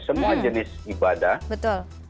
semua jenis ibadah